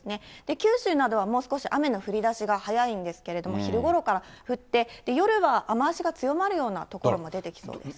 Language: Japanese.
九州などはもう少し雨の降りだしが早いんですけれども、昼ごろから降って、夜は雨足が強まるような所も出てきそうです。